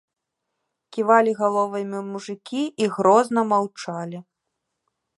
Ківалі галовамі мужыкі і грозна маўчалі.